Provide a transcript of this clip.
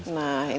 nah ini dia